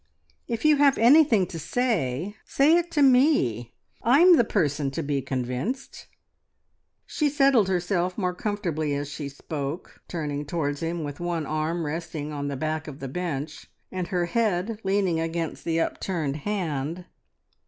If you have anything to say, say it to Me. I'm the person to be convinced." She settled herself more comfortably as she spoke, turning towards him with one arm resting on the back of the bench, and her head leaning against the upturned hand.